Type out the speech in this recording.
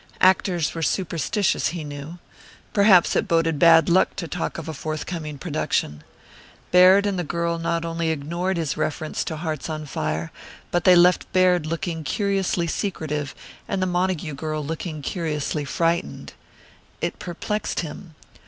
Actors were superstitious, he knew. Perhaps it boded bad luck to talk of a forthcoming production. Baird and the girl not only ignored his reference to Hearts on Fire, but they left Baird looking curiously secretive and the Montague girl looking curiously frightened. It perplexed him.